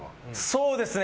そうですね。